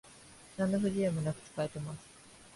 なんの不自由もなく使えてます